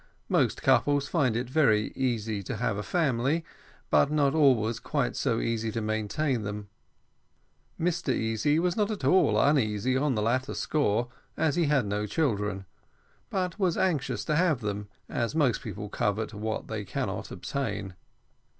Most couples find it very easy to have a family, but not always quite so easy to maintain them. Mr Easy was not at all uneasy on the latter score, as he had no children; but he was anxious to have them, as most people covet what they cannot obtain.